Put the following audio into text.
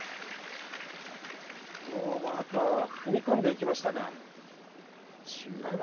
今日も天空海が踏み込んでいきましたが美ノ